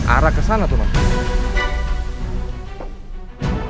arah ke sana tuh mas